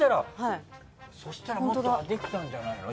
そうしたらもっとできたんじゃないの？